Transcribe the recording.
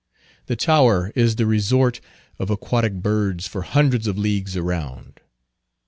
The tower is the resort of aquatic birds for hundreds of leagues around.